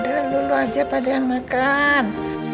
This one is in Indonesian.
gada dulu aja pada yang makan